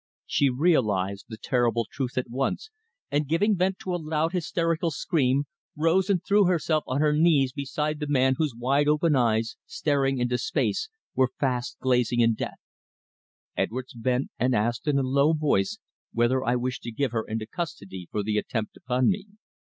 She realised the terrible truth at once, and giving vent to a loud, hysterical scream, rose and threw herself on her knees beside the man whose wide open eyes, staring into space, were fast glazing in death. Edwards bent, and asked in a low voice whether I wished to give her into custody for the attempt upon me.